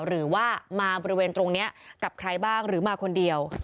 หรือว่ามาบริเวณตรงนี้กับใครบ้างหรือมาคนเดียว